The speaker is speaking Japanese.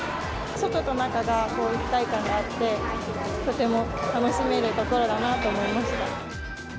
外と中が一体感があって、とても楽しめる所だなと思いました。